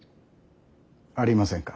ありませんか。